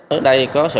ở đây có số